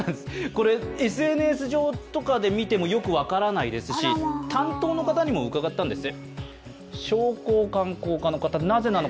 これ、ＳＮＳ上とかで見ても、よく分からないですし担当の方にも伺ったんです。